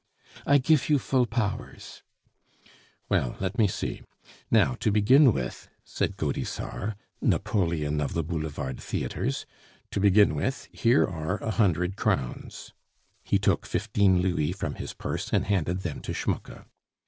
"I gif you full powers." "Well. Let me see. Now, to begin with," said Gaudissart, Napoleon of the boulevard theatres, "to begin with, here are a hundred crowns " (he took fifteen louis from his purse and handed them to Schmucke).